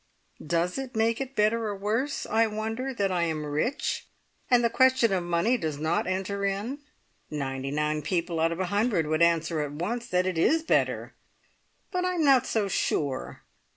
Does it make it better or worse, I wonder, that I am rich, and the question of money does not enter in? Ninety nine people out of a hundred would answer at once that it is better, but I'm not so sure.